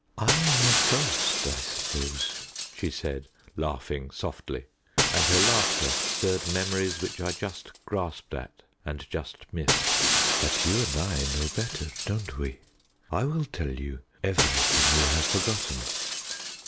"I am a ghost, I suppose," she said, laughing softly; and her laughter stirred memories which I just grasped at, and just missed. "But you and I know better, don't we? I will tell you everything you have forgotten.